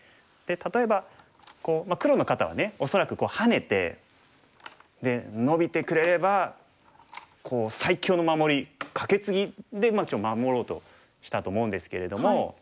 例えば黒の方はね恐らくハネてでノビてくれれば最強の守りカケツギで守ろうとしたと思うんですけれども。